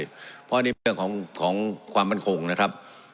เพราะอันนี้เป็นเรื่องของความมั่นคงนะครับ